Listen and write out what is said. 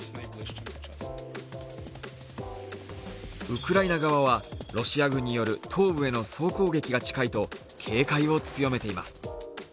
ウクライナ側は、ロシア軍による東部への総攻撃が近いと警戒を強めています。